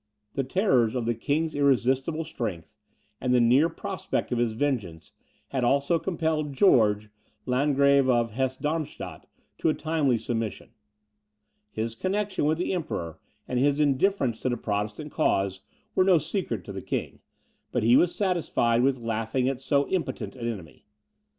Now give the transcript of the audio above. The terrors of the king's irresistible strength, and the near prospect of his vengeance, had also compelled George, Landgrave of Hesse Darmstadt, to a timely submission. His connection with the Emperor, and his indifference to the Protestant cause, were no secret to the king, but he was satisfied with laughing at so impotent an enemy.